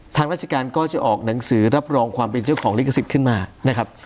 ทางราชการก็จะออกหนังสือรับรองความเป็นเจ้าของลิขสิทธิ์ขึ้นมานะครับ